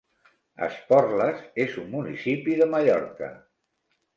Esporles és un municipi de Mallorca.